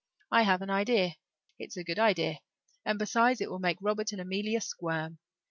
I have an idea. It's a good idea, and besides it will make Robert and Amelia squirm.